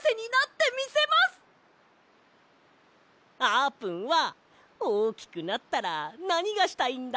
あーぷんはおおきくなったらなにがしたいんだ？